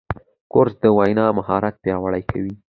کورس د وینا مهارت پیاوړی کوي.